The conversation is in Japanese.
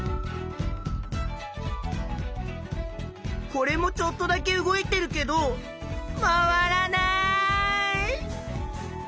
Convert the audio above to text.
これもちょっとだけ動いてるけど回らない！